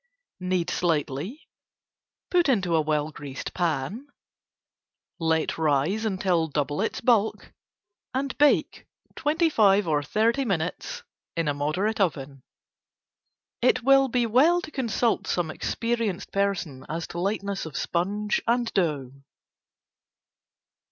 Knead slightly, put into a well greased pan. Let rise until double its bulk and bake 25 or 30 minutes in moderate oven. It will be well to consult some experienced person as to lightness of sponge and dough.